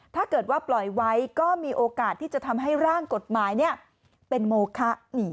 ถ้าเกิดว่าปล่อยไว้ก็มีโอกาสที่จะทำให้ร่างกฎหมายเป็นโมคะ